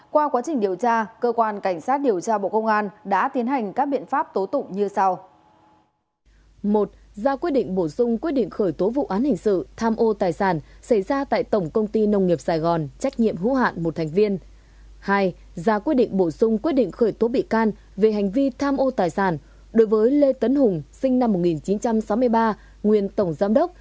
hai gia quyết định bổ sung quyết định khởi tố bị can về hành vi tham ô tài sản đối với lê tấn hùng sinh năm một nghìn chín trăm sáu mươi ba nguyên tổng giám đốc